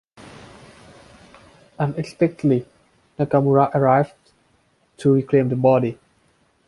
Unexpectedly, Nakamura arrives to reclaim the body.